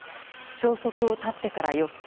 消息を絶ってから４日。